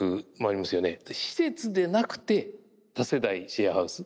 施設でなくて多世代シェアハウス？